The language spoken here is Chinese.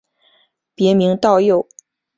别名道佑。